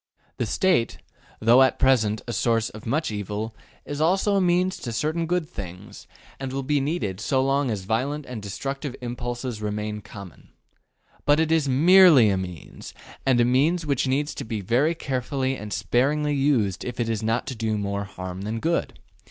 The State, though at present a source of much evil, is also a means to certain good things, and will be needed so long as violent and destructive impulses remain common. But it is MERELY a means, and a means which needs to be very carefully and sparingly used if it is not to do more harm than good.